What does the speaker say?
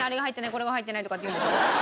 これが入ってないとかって言うんでしょ？